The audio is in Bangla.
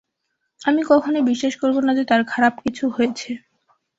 আমি কখনোই বিশ্বাস করবো না যে, তার খারাপ কিছু হয়েছে।